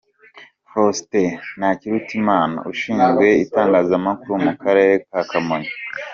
Faustin Ntakirutimana- Ushinzwe Itangazamakuru mu Karere ka Kamonyi.